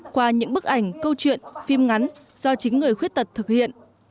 qua những bức ảnh câu chuyện phim ngắn do chính người khuyết tật thực hiện